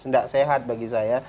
tidak sehat bagi saya